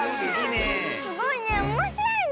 すごいね。